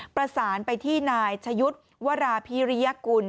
ประสานไปที่นายชะยุทธ์วราพิริยกุล